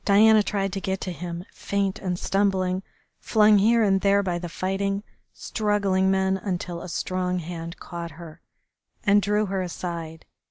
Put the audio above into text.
Diana tried to get to him, faint and stumbling, flung here and there by the fighting, struggling men, until a strong hand caught her and drew her aside.